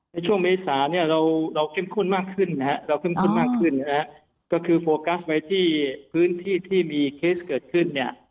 ในช่วงเมษานี้เราเข้มข้นมากขึ้นนะครับก็คือโฟกัสไว้ที่พื้นที่ที่มีเคสเกิดขึ้น